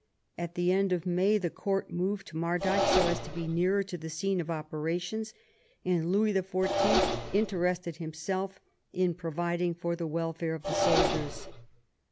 At the end of May the court moved to Mardyke, so as to be nearer to the scene of operations, and Louis XIV. interested himself in providing for the welfare of the soldiers.